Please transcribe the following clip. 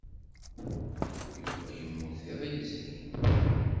Yuba yemmut iḍ yezrin.